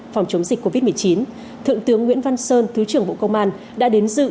phòng chống dịch covid một mươi chín thượng tướng nguyễn văn sơn thứ trưởng bộ công an đã đến dự